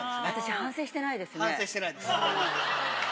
反省してないですね。